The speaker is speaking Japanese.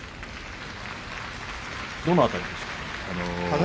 どの辺りですか。